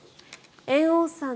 猿翁さん